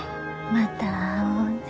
また会おうね。